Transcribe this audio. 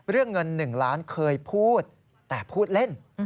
เรื่องเงิน๑ล้านเคยพูดแต่พูดเล่น